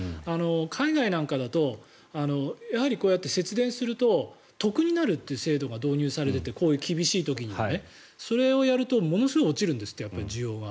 海外なんかだとやはり節電すると特になるという制度が導入されていてこういう厳しい時にはね。それをやるとものすごい落ちるんですって需要が。